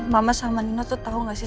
mama sama nino tuh tau gak sih